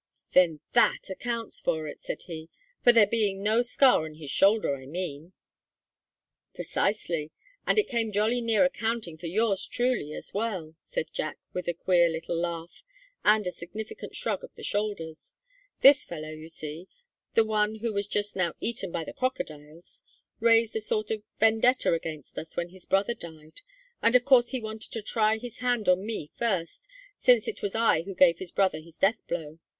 "Then that accounts for it," said he; "for there being no scar on his shoulder, I mean." "Precisely; and it came jolly near accounting for yours truly as well," said Jack, with a queer little laugh and a significant shrug of the shoulders. "This fellow, you see the one who was just now eaten by the crocodiles raised a sort of vendetta against us when his brother died, and of course he wanted to try his hand on me first, since it was I who gave his brother his death blow.